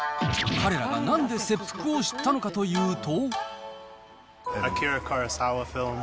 彼らがなんで切腹を知ったのかというと。